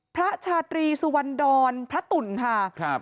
พระชาตรีสุวันดรพระตุ๋นค่ะ